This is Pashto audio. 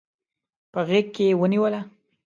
په غیږ کې ونیوله